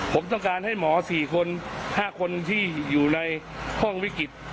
ผมต้องการให้หมอ๔คน๕คนที่อยู่ในห้องวิกฤต